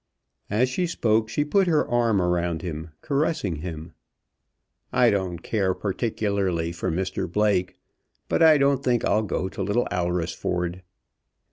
As she spoke she put her arm around him, caressing him. "I don't care particularly for Mr Blake; but I don't think I'll go to Little Alresford."